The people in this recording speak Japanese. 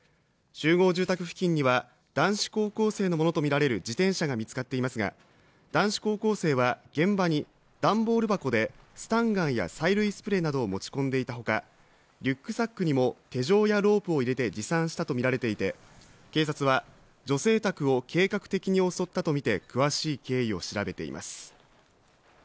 集合住宅付近には男子高校生のものと見られる自転車が見つかっていますが男子高校生は現場に段ボール箱でスタンガンや催涙スプレーなどを持ち込んでいたほかリュックサックにも手錠やロープを入れて持参したと見られていて警察は女性宅を計画的に襲ったとみて詳しい経緯を調べています